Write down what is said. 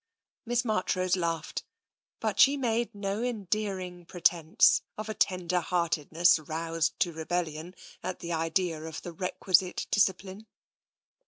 Miss Marchrose laughed, but she made no endearing pretence of a tender heartedness roused to rebellion at the idea of the requisite discipline.